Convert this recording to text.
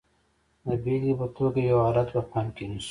د بېلګې په توګه یو حالت په پام کې نیسو.